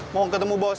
mau ketemu bos